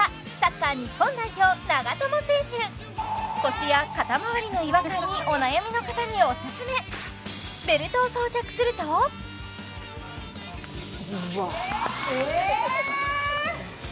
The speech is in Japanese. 腰や肩まわりの違和感にお悩みの方におすすめベルトを装着するとうわあえ！？